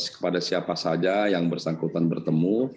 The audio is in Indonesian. kepada siapa saja yang bersangkutan bertemu